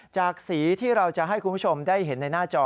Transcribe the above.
จากสีที่เราจะให้คุณผู้ชมได้เห็นในหน้าจอ